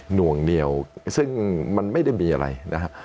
ห่วงเหนียวซึ่งมันไม่ได้มีอะไรนะครับ